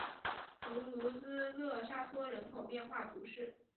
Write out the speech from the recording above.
图卢兹勒沙托人口变化图示